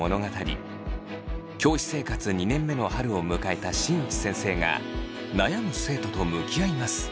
教師生活２年目の春を迎えた新内先生が悩む生徒と向き合います。